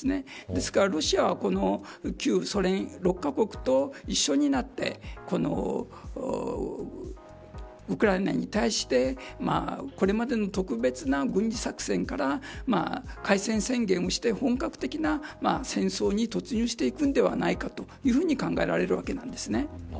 ですから、ロシアはこの旧ソ連６カ国と一緒になってこのウクライナに対してこれまでの特別な軍事作戦から開戦宣言をして本格的な戦争に突入していくんではないかというふうに考えられるわけなんです。